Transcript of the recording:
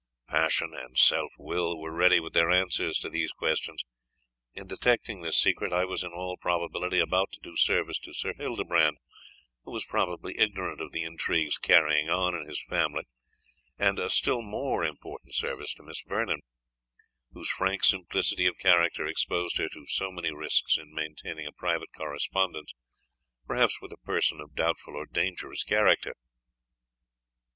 Passion and self will were ready with their answers to these questions. In detecting this secret, I was in all probability about to do service to Sir Hildebrand, who was probably ignorant of the intrigues carried on in his family and a still more important service to Miss Vernon, whose frank simplicity of character exposed her to so many risks in maintaining a private correspondence, perhaps with a person of doubtful or dangerous character.